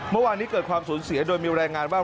เมื่อวานนี้เกิดความสูญเสียโดยมีรายงานว่า